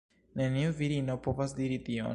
Neniu virino povas diri tion